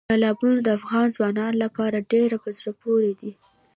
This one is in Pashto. تالابونه د افغان ځوانانو لپاره ډېره په زړه پورې دي.